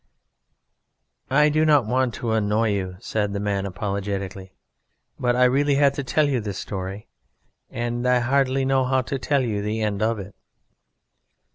"...I do not want to annoy you," said the man apologetically, "but I really had to tell you this story, and I hardly know how to tell you the end of it."